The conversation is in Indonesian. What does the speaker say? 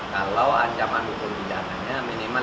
kalau ancaman hukum pidananya minimal lima tahun